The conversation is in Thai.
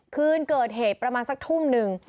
คืนเกิดเหตุประมาณสักทุ่มหนึ่ง